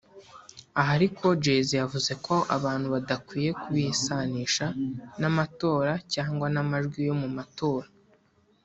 Aha ariko Jay-Z yavuze ko abantu badakwiye kubisanisha n’amatora cyangwa n’amajwi yo mu matora